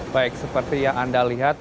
baik seperti yang anda lihat